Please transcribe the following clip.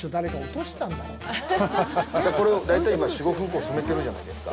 これを、大体、今４５分、染めているじゃないですか。